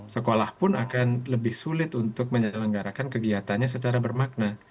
sekolah pun akan lebih sulit untuk menyelenggarakan kegiatannya secara bermakna